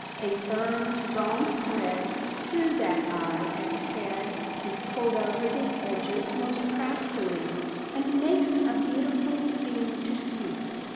A firm, strong thread, through that eye at the head, Is pulled over the edges most craftily, And makes a beautiful seam to see!"